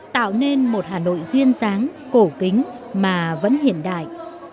tạo nên một hà nội duyên dáng cổ kính mà vẫn hiện đại